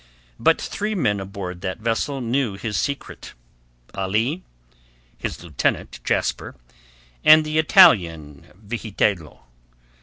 But three men aboard that vessel knew his secret—Ali, his lieutenant, Jasper, and the Italian Vigitello.